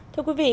thưa quý vị